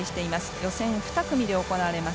予選２組で行われます。